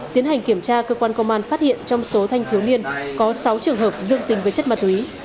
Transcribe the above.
tiến hành kiểm tra cơ quan công an phát hiện trong số thanh thiếu niên có sáu trường hợp dương tình với chất ma túy